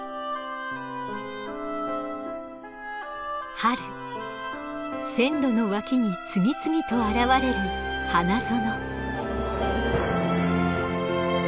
春線路の脇に次々と現れる花園。